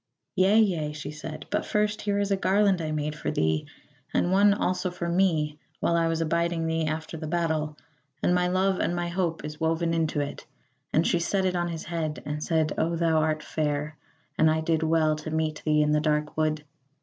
"Yea, yea," she said, "but first here is a garland I made for thee, and one also for me, while I was abiding thee after the battle, and my love and my hope is woven into it." And she set it on his head, and said, "O thou art fair, and I did well to meet thee in the dark wood."